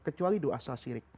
kecuali dosa sirik